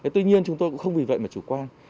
tuy nhiên chúng tôi cũng không vì vậy mà chủ quan